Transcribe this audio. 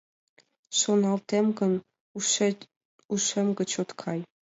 Шоналтем гын, ушем гыч от кай.